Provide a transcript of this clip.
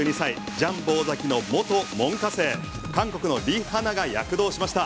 ジャンボ尾崎の元門下生韓国のリ・ハナが躍動しました。